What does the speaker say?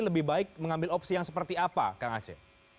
lebih baik mengambil opsi yang seperti apa kang aceh